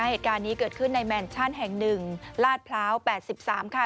เหตุการณ์นี้เกิดขึ้นในแมนชั่นแห่ง๑ลาดพร้าว๘๓ค่ะ